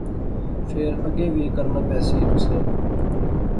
فیر اگے وی کرنا پہسی تسیں